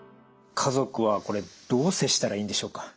家族はどう接したらいいんでしょうか？